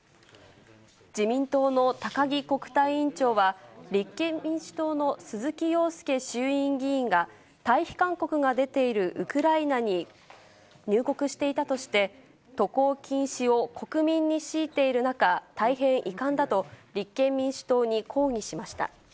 自民党の高木国対委員長は、立憲民主党の鈴木庸介衆院議員が退避勧告が出ているウクライナに入国していたとして、渡航禁止を国民に強いている中、大変遺憾だと、立憲民主党に抗議しました。